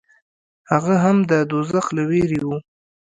هغه هم د دوزخ له وېرې و.